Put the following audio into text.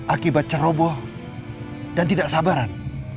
akibat ceroboh dan tidak sabaran